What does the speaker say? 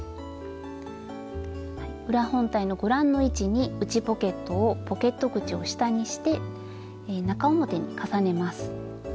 裏本体のご覧の位置に内ポケットをポケット口を下にして中表に重ねます。